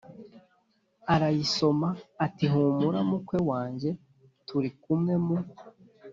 arayiso ma/ ati hu mura mukwe wanjye turi k u m we/ mu